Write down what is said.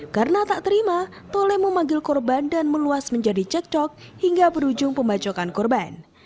karena tak terima tole memanggil korban dan meluas menjadi cekcok hingga berujung pembacokan korban